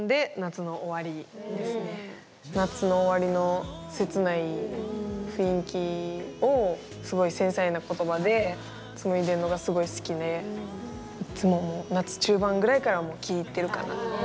夏の終わりの切ない雰囲気をすごい繊細な言葉で紡いでるのがすごい好きでいつももう夏中盤ぐらいから聴いてるかな。